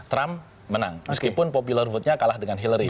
trump menang meskipun popular vote nya kalah dengan hillary